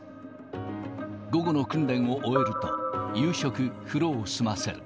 午後の訓練を終えると、夕食、風呂を済ませる。